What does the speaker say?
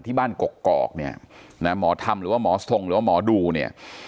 ที่บ้านกกอกเนี่ยนะหมอธรรมหรือว่าหมอทรงหรือว่าหมอดูเนี่ย